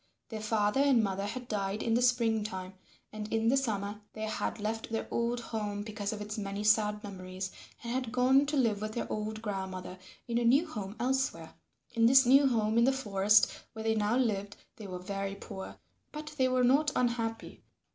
Their father and mother had died in the spring time, and in the summer they had left their old home because of its many sad memories and had gone to live with their old grandmother in a new home elsewhere. In this new home in the forest where they now lived they were very poor, but they were not unhappy.